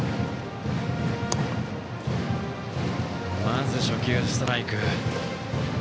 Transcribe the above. まず初球、ストライク。